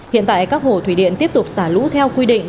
hiện tại các hồ thủy điện tiếp tục xả lũ theo quy định